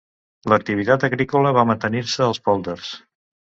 L'activitat agrícola va mantenir-se als pòlders.